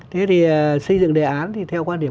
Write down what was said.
thế thì xây dựng đề án thì theo quan điểm